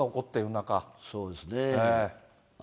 そうですね。